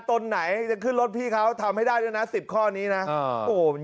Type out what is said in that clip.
ตนไหนจะขึ้นรถพี่เขาทำให้ได้ด้วยนะ๑๐ข้อนี้นะโอ้โห